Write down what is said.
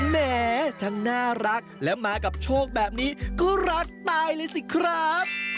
แหมทั้งน่ารักและมากับโชคแบบนี้ก็รักตายเลยสิครับ